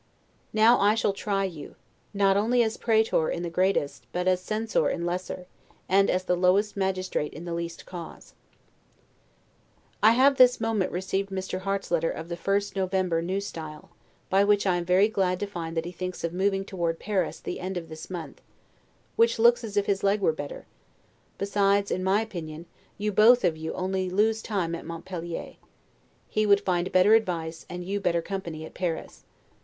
Now I shall try you, not only as 'praetor' in the greatest, but as 'censor' in lesser, and as the lowest magistrate in the least cases. I have this moment received Mr. Harte's letter of the 1st November, N. S., by which I am very glad to find that he thinks of moving toward Paris, the end of this month, which looks as if his leg were better; besides, in my opinion, you both of you only lose time at Montpelier; he would find better advice, and you better company, at Paris.